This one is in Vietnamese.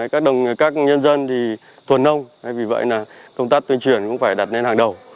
các nhân dân thuần nông vì vậy công tác tuyên truyền cũng phải đặt lên hàng đầu